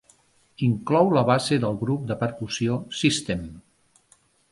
Inclou la base del grup de percussió Sistem.